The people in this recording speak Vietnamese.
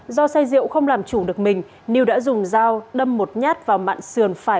do xay rượu không làm chủ được mình niu đã dùng dao đâm một nhát vào mạng sườn phải